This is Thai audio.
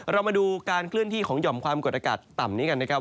เรามาดูการเคลื่อนที่ของหย่อมความกดอากาศต่ำนี้กันนะครับ